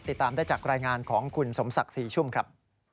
ติดตามได้จากรายงานของคุณสมศักดิ์ศรีชุ่มครับ